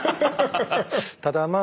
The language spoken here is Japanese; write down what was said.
ただまあ